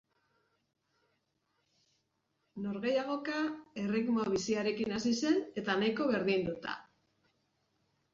Norgehiagoka erritmo biziarekin hasi zen eta nahiko berdinduta.